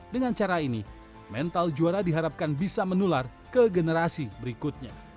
dengan cara ini mental juara diharapkan bisa menular ke generasi berikutnya